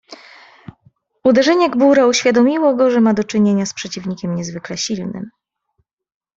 "Uderzenie gbura uświadomiło go, że ma do czynienia z przeciwnikiem niezwykle silnym."